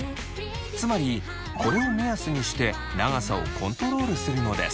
つまりこれを目安にして長さをコントロールするのです。